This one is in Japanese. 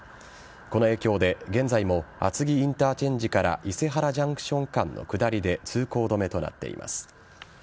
この影響で現在も厚木インターチェンジから伊勢原ジャンクション間の下りで通行止めとなっています。